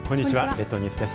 列島ニュースです。